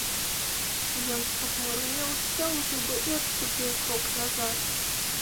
Ён спахмурнеў, сцяў зубы і адступіў крок назад.